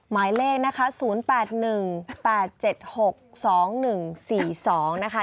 หมายเลขนะคะ๐๘๑๘๗๖๒๑๔๒นะคะ